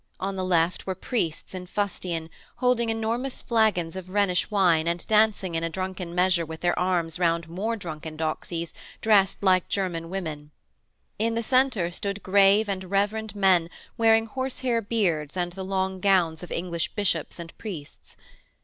On the left were priests in fustian, holding enormous flagons of Rhenish wine and dancing in a drunken measure with their arms round more drunken doxies dressed like German women. In the centre stood grave and reverend men wearing horsehair beards and the long gowns of English bishops and priests.